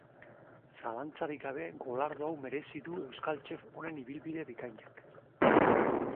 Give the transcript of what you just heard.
Zalantzarik gabe, golardo hau merezi du euskal chef honen ibilbide bikainak.